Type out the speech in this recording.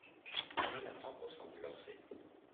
Jonathan pense à divorcer.